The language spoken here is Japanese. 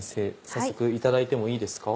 早速いただいてもいいですか？